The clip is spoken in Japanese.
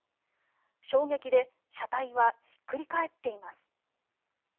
衝撃で車体はひっくり返っています。